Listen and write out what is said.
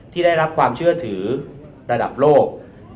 ที่ได้รับความเชื่อถือระดับโลก